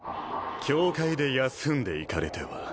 教会で休んでいかれては？